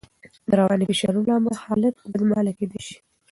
د رواني فشارونو له امله حالت اوږدمهاله کېدای شي.